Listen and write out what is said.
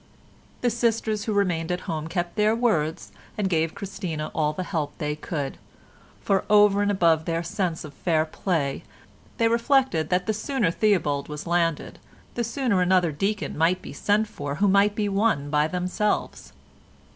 The sisters who remained at home kept their words and gave Christina all the help they could, for over and above their sense of fair play they reflected that the sooner Theobald was landed, the sooner another deacon might be sent for who might be won by themselves.